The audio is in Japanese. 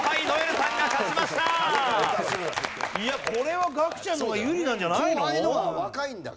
これはガクちゃんの方が有利なんじゃないの？